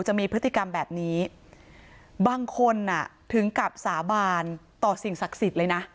จะมีพฤติกรรมแบบนี้บางคนอ่ะถึงกับสาบานต่อสิ่งศักดิ์สิทธิ์เลยนะ